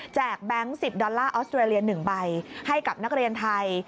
แบงค์๑๐ดอลลาร์ออสเตรเลีย๑ใบให้กับนักเรียนไทย